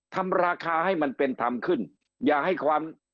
ทำราคาให้มันเป็นธรรมขึ้นอย่าให้ความ